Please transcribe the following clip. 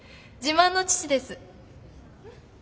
自慢の父です！